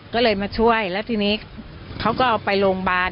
ก็เลยมาช่วยแล้วทีนี้เขาก็เอาไปโรงพยาบาล